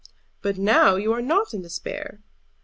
"But now you are not in despair."